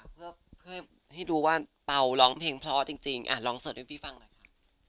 เพื่อให้ดูว่าเปล่าร้องเพลงเพราะจริงลองเสิร์ฟให้พี่ฟังหน่อยค่ะ